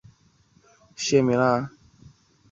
叙述亚瑟的少年时期和魔法师梅林帮助他的过程。